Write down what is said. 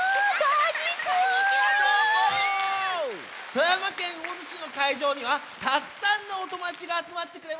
富山県魚津市のかいじょうにはたくさんのおともだちがあつまってくれましたよ。